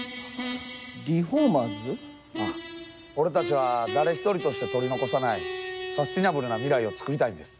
俺たちは誰ひとりとして取り残さないサステイナブルな未来をつくりたいんです。